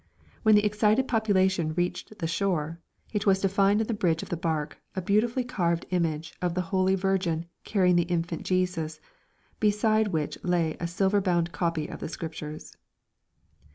When the excited population reached the shore it was to find on the bridge of the barque a beautifully carved image of the Holy Virgin carrying the infant Jesus, beside which lay a silver bound copy of the Scriptures.